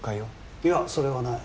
いやそれはない。